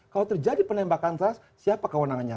kalau terjadi penembakan sas siapa kewenangannya